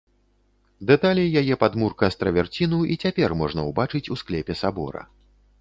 Дэталі яе падмурка з траверціну і цяпер можна ўбачыць у склепе сабора.